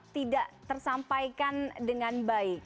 tidak tersampaikan dengan baik